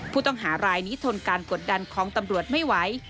ผู้ต้องหารายนี้ทนการกดดันของตำรวจไม่ไหว